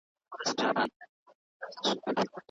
د اوبو ساتنه د ټولنې ګډ مسؤلیت دی.